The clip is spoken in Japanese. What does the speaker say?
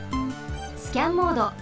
スキャンモード。